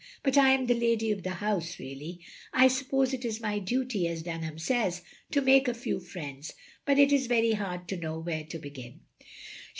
But I am the lady of the house really. I suppose it is my duty, as Dunham says, to make a few friends, but it is very hard to know where to begin.